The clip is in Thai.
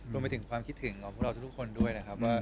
รวมไปถึงความคิดถึงของพวกเราทุกคนด้วยนะครับว่า